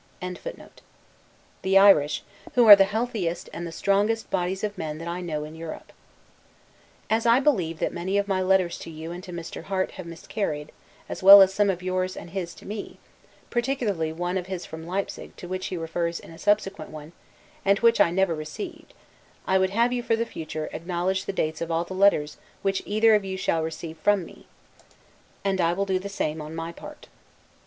] the Irish, who are the healthiest and the strongest bodies of men that I know in Europe. As I believe that many of my letters to you and to Mr. Harte have miscarried, as well as some of yours and his to me; particularly one of his from Leipsig, to which he refers in a subsequent one, and which I never received; I would have you, for the future, acknowledge the dates of all the letters which either of you shall receive from me; and I will do the same on my part.